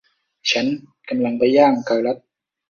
ฉันกำลังไปย่างเกาลัด